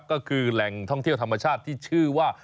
ก็คือแหล่งท่องเที่ยวธรรมชาติที่ชื่อว่า